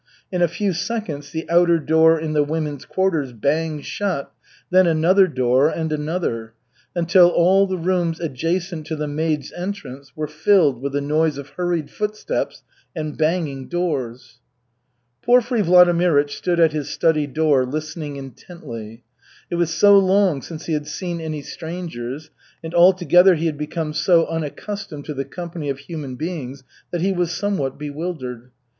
In a few seconds the outer door in the women's quarters banged shut, then another door, and another, until all the rooms adjacent to the maids' entrance were filled with a noise of hurried footsteps and banging doors. Porfiry Vladimirych stood at his study door listening intently. It was so long since he had seen any strangers, and altogether he had become so unaccustomed to the company of human beings, that he was somewhat bewildered.